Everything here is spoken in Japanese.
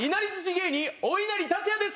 芸人おいなり達也です。